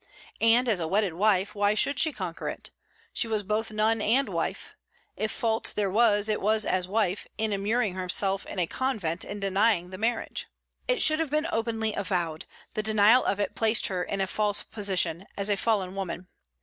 And, as a wedded wife, why should she conquer it? She was both nun and wife. If fault there was, it was as wife, in immuring herself in a convent and denying the marriage. It should have been openly avowed; the denial of it placed her in a false position, as a fallen woman.